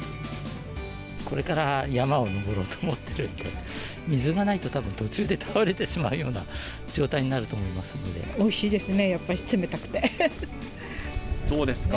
これから山を登ろうと思ってるんで、水がないとたぶん、途中で倒れてしまうような状態においしいですね、やっぱし、どうですか？